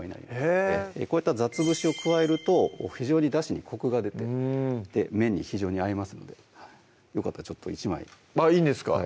へぇこういった雑節を加えると非常にだしにコクが出て麺に非常に合いますのでよかったらちょっと１枚あっいいんですか？